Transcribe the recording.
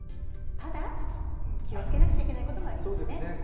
ただ気をつけなくちゃいけないこともありますね。